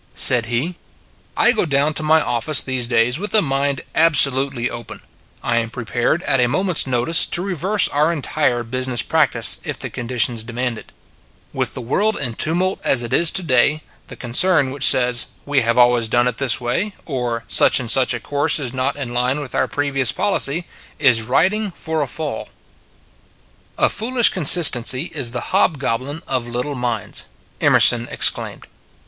Said he: " I go down to my office these days with my mind absolutely open ; I am prepared at a moment s notice to reverse our entire business practice, if the conditions demand it. With the world in tumult as it is to day, the concern which says, We have al ways done it this way, or Such and such a course is not in line with our previous policy, is riding for a fall. " A foolish consistency is the hobgoblin of little minds," Emerson exclaimed.